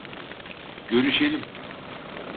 Görüşelim.